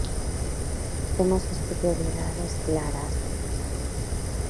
Temos as prioridades claras.